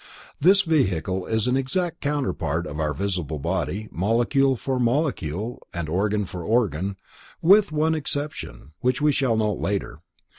This vehicle is an exact counterpart of our visible body, molecule for molecule, and organ for organ, with one exception, which we shall note later.